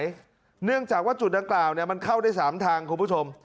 เนื่องจากว่าจุดดังกล่าวมันเข้าได้๓ทางคุณผู้ชม